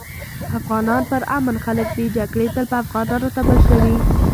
افغانان پر امن خلک دي جګړي تل په افغانانو تپل شوي